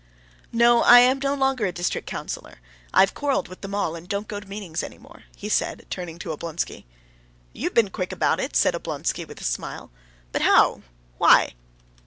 "No, I am no longer a district councilor. I have quarreled with them all, and don't go to the meetings any more," he said, turning to Oblonsky. "You've been quick about it!" said Oblonsky with a smile. "But how? why?"